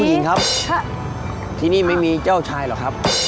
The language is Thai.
หญิงครับที่นี่ไม่มีเจ้าชายหรอกครับ